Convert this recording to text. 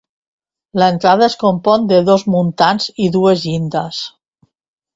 L'entrada es compon de dos muntants i dues llindes.